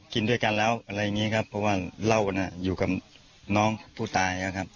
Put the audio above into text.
กินด้วยกันแล้วอะไรอย่างนี้ครับเพราะว่าเหล้าน่ะอยู่กับน้องผู้ตายครับ